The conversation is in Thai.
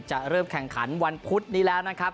จะเริ่มแข่งขันวันพุธนี้แล้วนะครับ